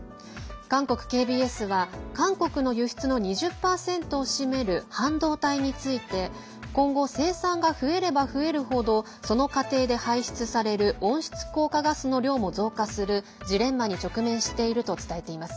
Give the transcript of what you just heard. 韓国ＫＢＳは韓国の輸出の２０％を占める半導体について今後、生産が増えれば増える程その過程で排出される温室効果ガスの量も増加するジレンマに直面していると伝えています。